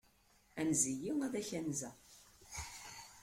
Anez-iyi, ad k-anzeɣ.